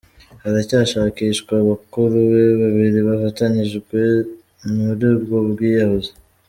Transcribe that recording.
Haracyashakishwa bakuru be babiri bafatanyije muri ubwo bwiyahuzi.